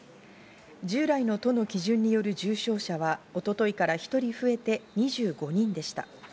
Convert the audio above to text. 従来の都の基準による重症者は一昨日から１人増えて２５人でした。